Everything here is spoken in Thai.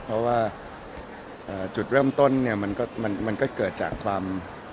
เพราะว่าจุดเริ่มต้นเนี่ยมันก็เกิดจากความ